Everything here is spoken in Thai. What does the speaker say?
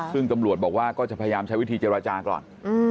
ซึ่งตำรวจบอกว่าก็จะพยายามใช้วิธีเจรจาก่อน